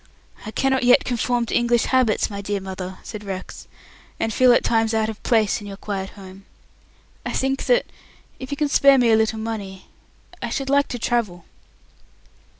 "I cannot yet conform to English habits, my dear mother," said Rex, "and feel at times out of place in your quiet home. I think that if you can spare me a little money I should like to travel."